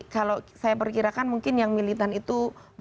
kalau saya perkirakan mungkin yang militan itu